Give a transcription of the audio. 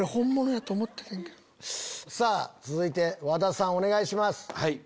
続いて和田さんお願いします。